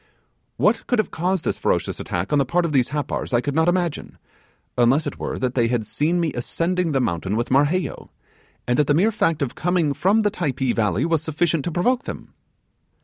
'What could have caused this ferocious attack on the part of these Happars I could not imagine, unless it were that they had seen me ascending the mountain with Marheyo, and that the mere fact of coming from the Typee valley was sufficient to provoke them.